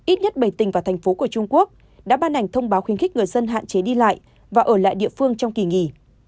ít nhất bảy tỉnh và thành phố của trung quốc đã ban hành thông báo khuyến khích người dân hạn chế đi lại và ở lại địa phương trong kỳ nghỉ